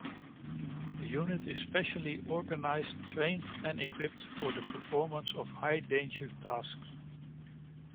The unit is specially organized, trained and equipped for the performance of high-danger tasks.